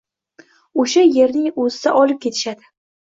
O`sha erning o`zida olib ketishadi